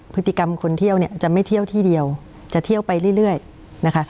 พฤติกรรมคนเที่ยวเนี่ยจะไม่เที่ยวที่เดียวจะเที่ยวไปเรื่อยนะคะ